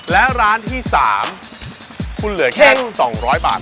และร้านที่๓คุณเหลือแค่๒๐๐บาท